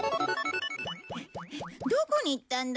どこに行ったんだ？